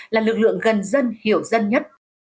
là lực lượng gần dân hiểu dân nhất